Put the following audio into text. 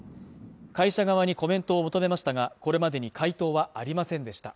会社側にコメントを求めましたがこれまでに回答はありませんでした